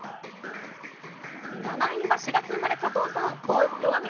７位は４月生まれの方、加藤さん。